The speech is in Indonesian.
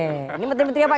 ini menteri menteri apa